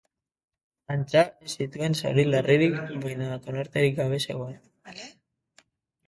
Antza, ez zituen zauri larririk, baina konorterik gabe zegoen.